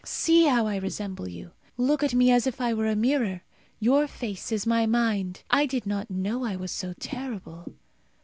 See how I resemble you. Look at me as if I were a mirror. Your face is my mind. I did not know I was so terrible.